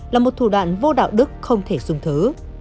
là một thủ đoạn vô đạo đức không thể sung thứ